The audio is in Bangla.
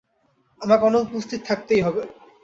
আমাকে অনুপস্থিত থাকতেই হবে।